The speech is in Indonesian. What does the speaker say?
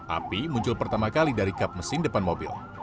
api muncul pertama kali dari kap mesin depan mobil